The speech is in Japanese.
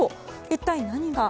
一体何が？